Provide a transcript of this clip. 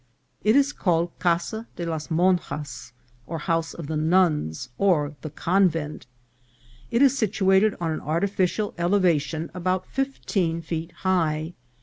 It is called Casa de las Monjas, or House of the Nuns, or the Convent. It is situated on an artificial elevation about fifteen feet high.